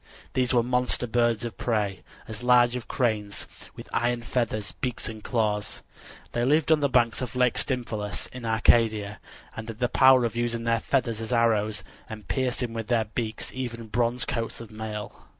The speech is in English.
These were monster birds of prey, as large as cranes, with iron feathers, beaks and claws. They lived on the banks of Lake Stymphalus in Arcadia, and had the power of using their feathers as arrows and piercing with their beaks even bronze coats of mail.